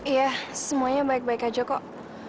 ya semuanya baik baik aja kok